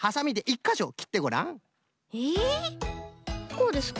こうですか？